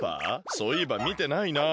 そういえばみてないなあ。